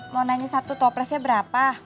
mau nanya satu toplesnya berapa